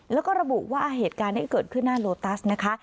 แล้วก็ระบุว่าเหตุการณ์นี้เกิดขึ้นหน้าโลตัสนะคะ